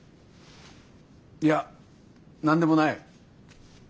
いや何でもない。